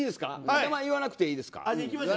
名前言わなくていいですか。